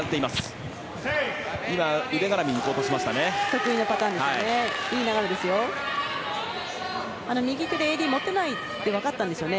得意のパターンですね。